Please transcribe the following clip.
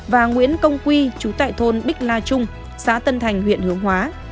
và nguyễn công quy chú tại thôn bích la trung xã tân thành huyện hướng hóa